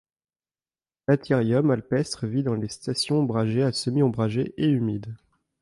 L'Athyrium alpestre vit dans les stations ombragées à semi-ombragées et humides.